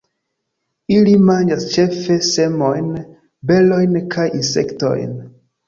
Ili manĝas ĉefe semojn, berojn kaj insektojn.